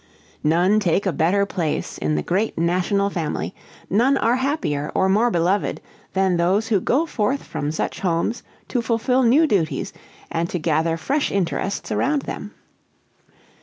None take a better place in the great national family, none are happier or more beloved than those who go forth from such homes to fulfill new duties, and to gather fresh interests around them.